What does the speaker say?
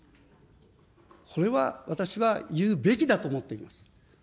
これは私は言うべきだと思っています。